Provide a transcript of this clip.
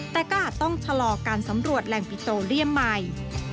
แต่ก็อาจต้องชะลอการสำรวจแหล่งปิโตเรียมใหม่